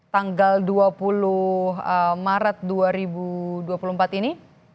tanggal dua puluh maret dua ribu dua puluh empat ini